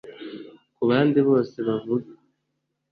kubandi bose bavuga